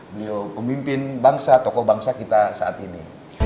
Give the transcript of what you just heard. beliau pemimpin bangsa tokoh bangsa kita saat ini